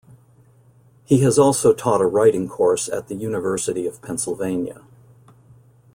He has also taught a writing course at The University of Pennsylvania.